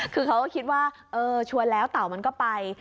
คือเขาก็คิดว่าเออชวนแล้วเต่ามันก็ไป